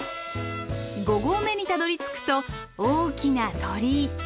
五合目にたどりつくと大きな鳥居。